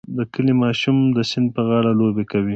د کلي ماشوم د سیند په غاړه لوبې کوي.